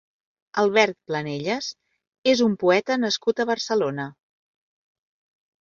Albert Planelles és un poeta nascut a Barcelona.